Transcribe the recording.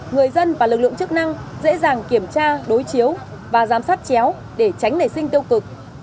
người dân và lực lượng chức năng dễ dàng kiểm tra đối chiếu và giám sát chéo để tránh nảy sinh tiêu cực